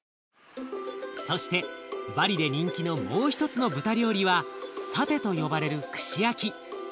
そしてバリで人気のもう一つの豚料理はサテと呼ばれる串焼き。